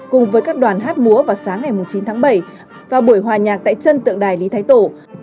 cùng với các đoàn hát múa vào sáng ngày chín tháng bảy và buổi hòa nhạc tại chân tượng đài lý thái tổ